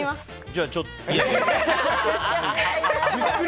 じゃあちょっといや。